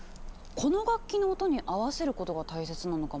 この楽器の音に合わせることが大切なのかも。